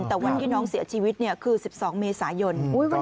แต่วันที่น้องเสียชีวิตคือ๑๒เมษายน